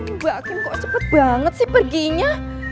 mbak akin kok cepet banget sih perginya